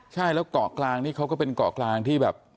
ใช่แล้วเกาะกลางนี่เขาก็เป็นเกาะกลางที่แบบ